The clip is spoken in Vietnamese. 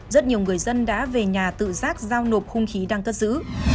rất nhiều người dân đã về nhà tự giác giao nộp hung khí đang cất giữ